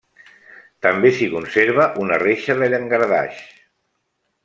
També s'hi conserva una reixa de llangardaix.